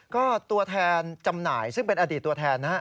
ก็ตัวแทนจำหน่ายซึ่งเป็นอดีตตัวแทนนะฮะ